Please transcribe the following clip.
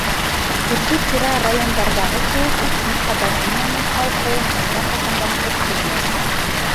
Күрше-тирә райондарҙағы кеүек үк мөһабәт бинаның ҡалҡыуын әллә ҡасандан көттө улар.